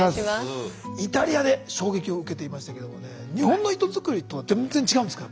イタリアで衝撃を受けていましたけどもね日本の糸づくりとは全然違うんですか？